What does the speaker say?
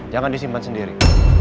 jangan disimpan sendiri